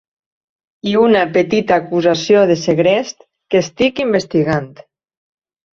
I una petita acusació de segrest que estic investigant.